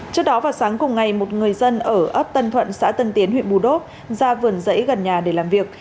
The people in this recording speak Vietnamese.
trước đó vào sáng cùng ngày một người dân ở ấp tân thuận xã tân tiến huyện bù đốt ra vườn rẫy gần nhà để làm việc